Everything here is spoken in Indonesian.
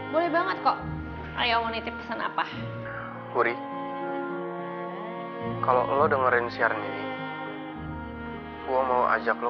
boleh banget kok saya mau nitip pesan apa wuri kalau lo dengerin siaran ini gua mau ajak lo